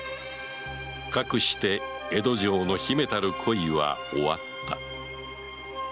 かくして江戸城の秘めたる恋は終わった